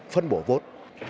vấn bổ vốn